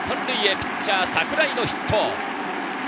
ピッチャー・櫻井のヒット。